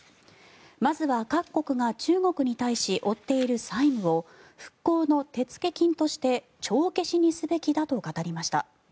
まずは各国が中国に対し負っている債務を復興の手付金として帳消しにすべきだと語りました。